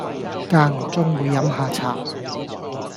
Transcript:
間唔中會飲吓茶